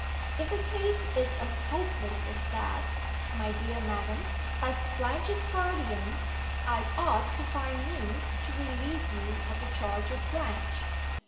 '" "If the case is as hopeless as that, my dear Madam as Blanche's guardian, I ought to find means to relieve you of the charge of Blanche."